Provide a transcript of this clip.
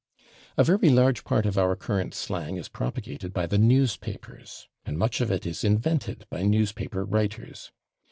A very large part of our current slang is propagated by the newspapers, and much of it is invented by newspaper writers.